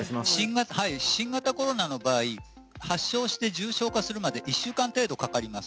新型コロナの場合発症して重症化するまで１週間程度かかります。